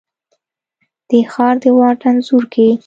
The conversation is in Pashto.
د ښار د واټ انځور کي،